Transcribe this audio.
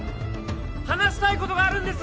話したいことがあるんです